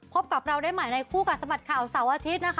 พบกับเราได้ใหม่ในคู่กัดสะบัดข่าวเสาร์อาทิตย์นะคะ